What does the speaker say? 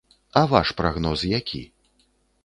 А ваш прагноз які?